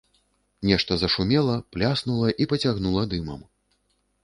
Нешта зашумела, пляснула і пацягнула дымам.